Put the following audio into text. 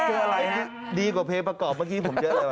เจอเขาแล้ว